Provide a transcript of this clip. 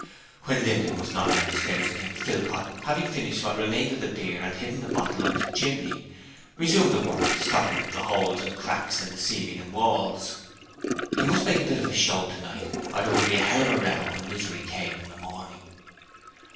When Linden was gone downstairs again, Philpot, having finished what remained of the beer and hidden the bottle up the chimney, resumed the work of stopping up the holes and cracks in the ceiling and walls. He must make a bit of a show tonight or there would be a hell of a row when Misery came in the morning.